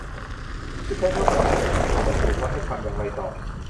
ผู้ใช้ทั่วไปอาจจะทำตัวไม่ถูกว่าให้ทำอย่างไรต่อ